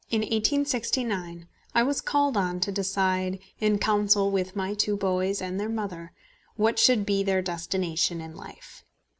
In 1869 I was called on to decide, in council with my two boys and their mother, what should be their destination in life.